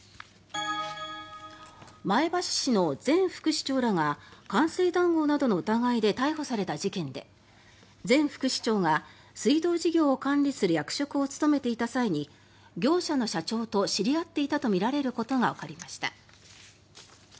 前橋市の前副市長らが官製談合などの疑いで逮捕された事件で前副市長が水道事業を管理する役職を務めていた際に業者の社長と知り合っていたとみられることがわかりました。